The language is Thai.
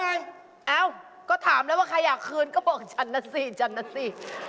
เอ้าก็ถามนะว่าใครอยากคืนก็บอกฉันนะสิ